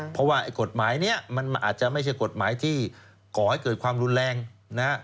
เพราะว่าไอ้กฎหมายนี้มันอาจจะไม่ใช่กฎหมายที่ก่อให้เกิดความรุนแรงนะฮะ